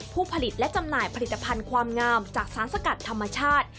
ผู้ผลิตและจำหน่ายผลิตภัณฑ์ความงามจากสารสกัดธรรมชาติ